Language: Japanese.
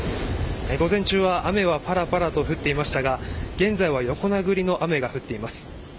午前中は雨はパラパラと降っていましたが現在は横殴りの雨が降っています。